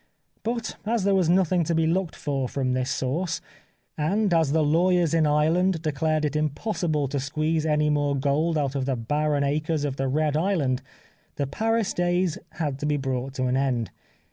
But, as there was nothing to be looked for from this source, and as the lawyers in Ireland declared it impossible to squeeze any more gold out of the barren acres of the Red Island, the Paris days had to be brought to an end.